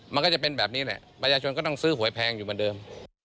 มันก็จะเป็นแบบนี้แหละประชาชนก็ต้องซื้อหวยแพงอยู่เหมือนเดิม